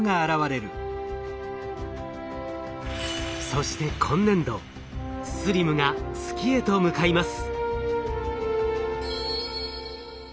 そして今年度ＳＬＩＭが月へと向かいます。